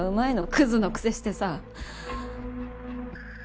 クズのくせしてさ。